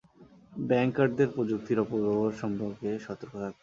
ব্যাংকারদের প্রযুক্তির অপব্যবহার সম্পর্কে সতর্ক থাকতে হবে।